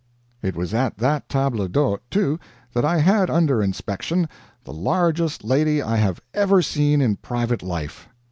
It was at that table d'hôte, too, that I had under inspection the largest lady I have ever seen in private life.